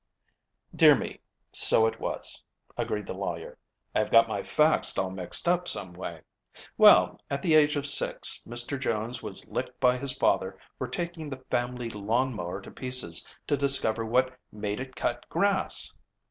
"Dear me, so it was," agreed the lawyer. "I have got my facts all mixed some way. Well, at the age of six, Mr. Jones was licked by his father for taking the family lawn mower to pieces to discover what made it cut grass."